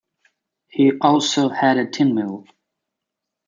He also had a 'tinmill'.